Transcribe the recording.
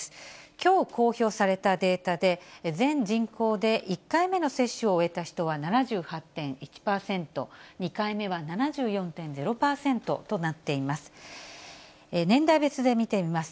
きょう公表されたデータで、全人口で１回目の接種を終えた人は７８．１％、２回目は７４．０％となっています。